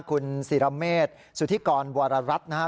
คุณสิรเมฆสุธิกรบวรรรัสนะฮะ